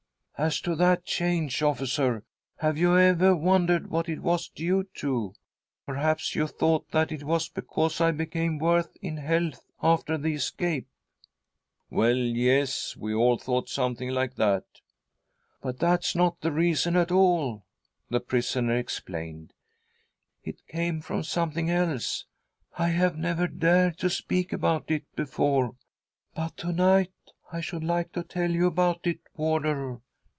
' "As to that change, officer, have you ever wondered what it was due to ? Perhaps you thought that it was because I became worse in health after the escape ?"" Well, yes, we all thought something like that." " But that's not the reason at all," the prisoner explained ;" it comes from something else. I have never dared to speak about it before, but to night I should like to tell you about it, warder."